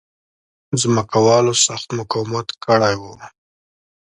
ځمکوالو سخت مقاومت کړی وای.